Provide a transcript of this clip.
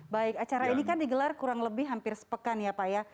baik acara ini kan digelar kurang lebih hampir sepekan ya pak ya